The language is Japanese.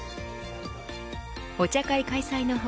お茶会開催の他